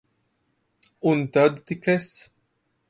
Un tad tik es.